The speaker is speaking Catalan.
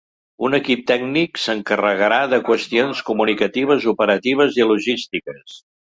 Un equip tècnic s’encarregarà de qüestions comunicatives, operatives i logístiques.